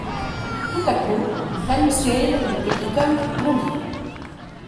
Tout à coup, Helmsgail, le petit homme, bondit.